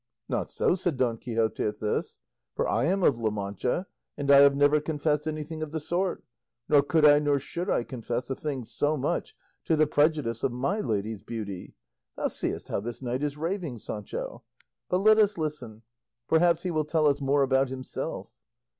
"Not so," said Don Quixote at this, "for I am of La Mancha, and I have never confessed anything of the sort, nor could I nor should I confess a thing so much to the prejudice of my lady's beauty; thou seest how this knight is raving, Sancho. But let us listen, perhaps he will tell us more about himself."